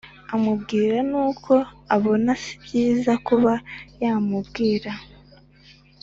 amubwira nuko abona sibyiza kuba yamubwira